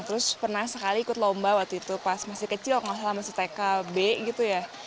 terus pernah sekali ikut lomba waktu itu pas masih kecil gak salah masih tkb gitu ya